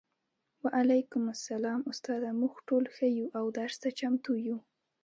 وعلیکم السلام استاده موږ ټول ښه یو او درس ته چمتو یو